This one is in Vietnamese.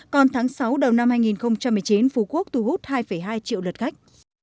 còn tháng sáu đầu năm hai nghìn một mươi chín phú quốc thu hút hai hai triệu lượt khách